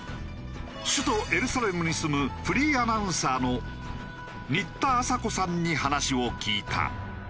首都エルサレムに住むフリーアナウンサーの新田朝子さんに話を聞いた。